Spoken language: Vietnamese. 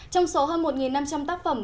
trong số hơn một năm trăm linh tác phẩm